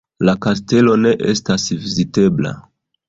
La kastelo ne estas vizitebla.